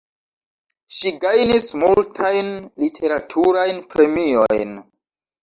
Ŝi gajnis multajn literaturajn premiojn.